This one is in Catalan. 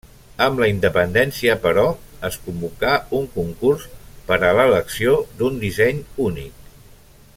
Amb la independència però, es convocà un concurs per a l'elecció d'un disseny únic.